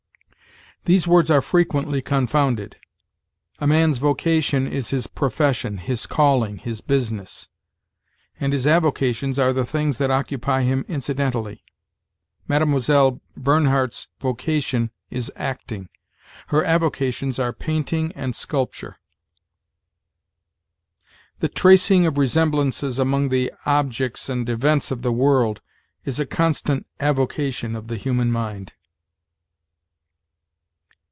These words are frequently confounded. A man's vocation is his profession, his calling, his business; and his avocations are the things that occupy him incidentally. Mademoiselle Bernhardt's vocation is acting; her avocations are painting and sculpture. "The tracing of resemblances among the objects and events of the world is a constant avocation of the human mind."